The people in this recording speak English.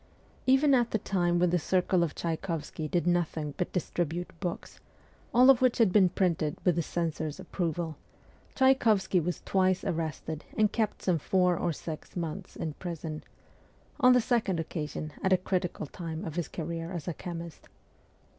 Even at the time when the circle of Tchaykovsky did nothing but distribute books, all of which had been printed with the censor's approval, Tchaykovsky was twice arrested and kept some four or six months in prison on the second occasion at a critical time of his career as a chemist.